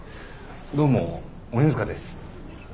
どうも鬼塚です。